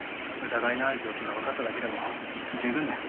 疑いのある病気が分かっただけでも十分だよ。